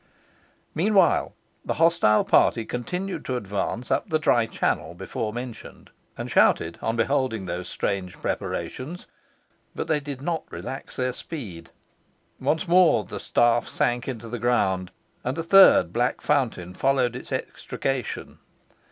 Meanwhile the hostile party continued to advance up the dry channel before mentioned, and shouted on beholding these strange preparations, but they did not relax their speed. Once more the staff sank into the ground, and a third black fountain followed its extraction.